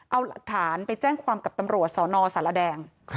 เอาหลักฐานไปแจ้งความกับตำรวจสนสารแดง